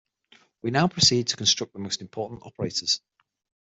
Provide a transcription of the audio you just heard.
We now proceed to construct the most important operators.